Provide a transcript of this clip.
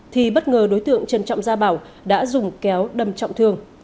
thì bất ngờ đối tượng trần trọng gia bảo đã dùng kéo đâm trọng thương